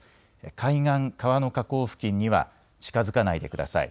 海岸、川の河口付近には近づかないでください。